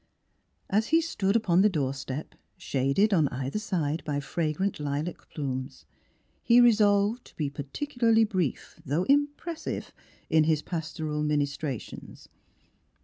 As he stood upon the door step, shaded on either side by fragrant lilac plumes, he re solved to be particularly brief, though impressive, in his pas 6i The Traiisjiguration of toral ministrations.